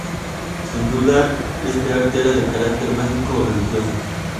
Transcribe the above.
Sin duda este arte era de carácter mágico o religioso.